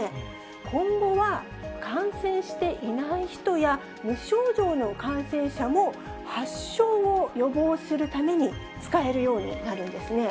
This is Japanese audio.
今後は、感染していない人や、無症状の感染者も、発症を予防するために使えるようになるんですね。